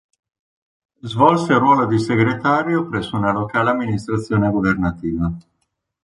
Svolse il ruolo di segretario presso una locale amministrazione governativa.